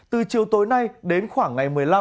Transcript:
từ chiều tối nay đến khoảng ngày một mươi năm